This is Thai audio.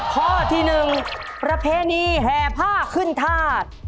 ข้อที่หนึ่งประเพณีแห่ภาคึ้นทาส